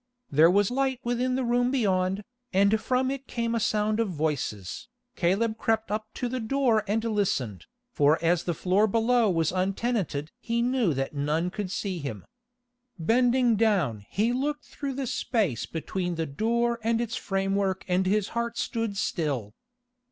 There was light within the room beyond, and from it came a sound of voices. Caleb crept up to the door and listened, for as the floor below was untenanted he knew that none could see him. Bending down he looked through the space between the door and its framework and his heart stood still.